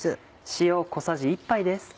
塩小さじ１杯です。